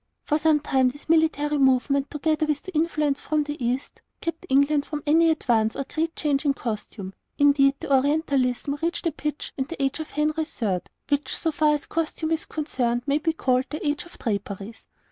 For some time this military movement, together with the influence of the East, kept England from any advance or great change in costume; indeed, the Orientalism reached a pitch in the age of Henry III. which, so far as costume is concerned, may be called the Age of Draperies.